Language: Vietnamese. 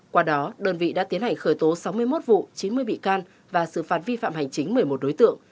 qua đó đơn vị đã tiến hành khởi tố sáu mươi một vụ chín mươi bị can và xử phạt vi phạm hành chính một mươi một đối tượng